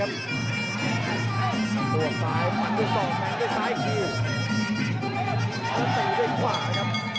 ระตุด้วยขวาครับ